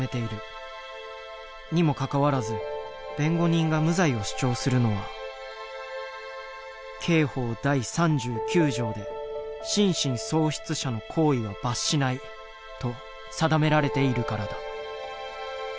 にもかかわらず弁護人が無罪を主張するのは刑法第３９条で「心神喪失者の行為は罰しない」と定められているからだ。